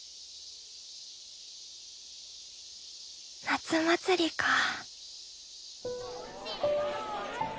夏祭りかぁ。